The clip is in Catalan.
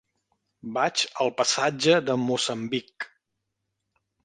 Vaig al passatge de Moçambic.